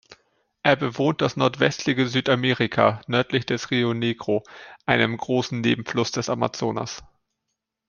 Er bewohnt das nordwestliche Südamerika, nördlich des Rio Negro, einem großen Nebenfluss des Amazonas.